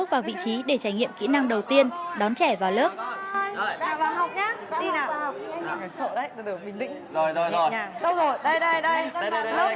sau khi chính thức làm quen với các trẻ trong độ tuổi nhà trẻ